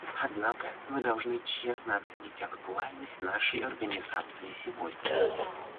Однако мы должны честно оценить актуальность нашей Организации сегодня.